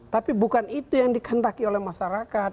tapi bukan itu yang dikendaki oleh masyarakat